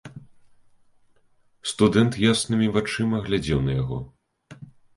Студэнт яснымі вачыма глядзеў на яго.